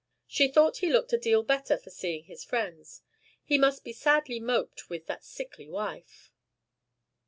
She thought he looked a deal better for seeing his friends. He must be sadly moped with that sickly wife.